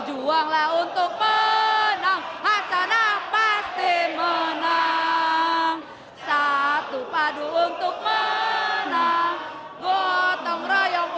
ya langsung saja